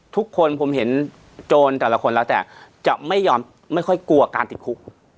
ทุกคนผมเห็นโจรแต่ละคนแล้วแต่จะไม่ยอมไม่ค่อยกลัวการติดคุก